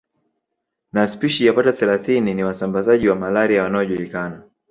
Na spishi yapata thelathini ni wasambazaji wa malaria wanaojulikana